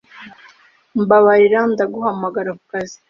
Mbabarira ndaguhamagara kukazi.